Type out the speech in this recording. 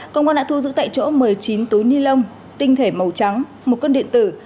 công an đã thu giữ tại chỗ một mươi chín túi ni lông tinh thể màu trắng một cân điện tử